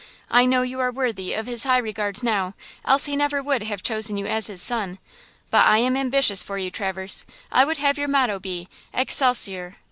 I know you are 'worthy' of his high regard now, else he never would have chosen you as his son–but I am ambitious for you, Traverse! I would have your motto be, 'Excelsior!'